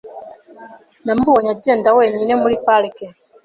Namubonye agenda wenyine muri parike .